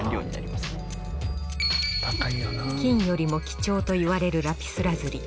金よりも貴重といわれるラピスラズリ。